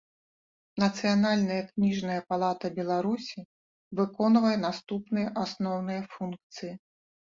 Нацыянальная кнiжная палата Беларусi выконвае наступныя асноўныя функцыi.